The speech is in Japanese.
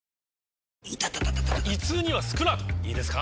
イタタ．．．胃痛にはスクラートいいですか？